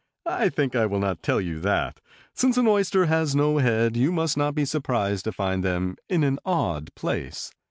"I think that I will not tell you that. Since an oyster has no head you must not be surprised to find them in an odd place.